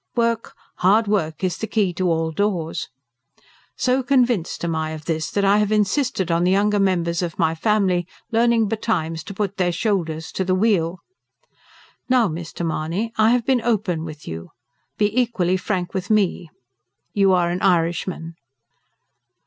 Work, hard work, is the key to all doors. So convinced am I of this, that I have insisted on the younger members of my family learning betimes to put their shoulders to the wheel. Now, Mr. Mahony, I have been open with you. Be equally frank with me. You are an Irishman?"